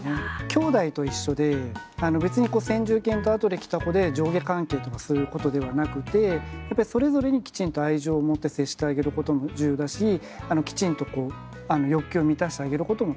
兄弟と一緒で別に先住犬と後で来た子で上下関係とかそういうことではなくてそれぞれにきちんと愛情を持って接してあげることも重要だしきちんと欲求を満たしてあげることも大切なんですね。